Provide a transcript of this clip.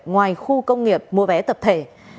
ngoài khu công nghiệp mua vé tập thể